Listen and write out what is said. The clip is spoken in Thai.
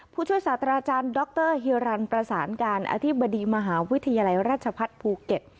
ผู้ช่วยศาสตราอาจารย์ด๊อคเตอร์ฮิลรันด์ประสานการอธิบดีมหาวิทยาลัยราชภัฐภูเก็ต